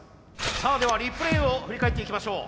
さあではリプレーを振り返っていきましょう。